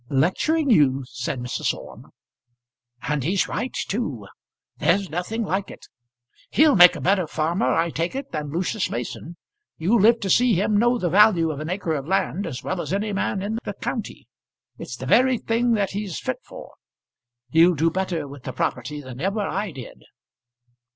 "Lecturing you!" said Mrs. Orme. "And he's right, too. There's nothing like it. He'll make a better farmer, I take it, than Lucius Mason. You'll live to see him know the value of an acre of land as well as any man in the county. It's the very thing that he's fit for. He'll do better with the property than ever I did."